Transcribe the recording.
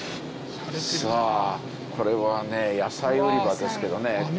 さあこれはね野菜売り場ですけどね。